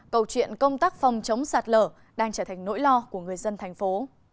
câu chuyện công tác phòng chống sạt lở đang trở thành nỗi lo của người dân thành phố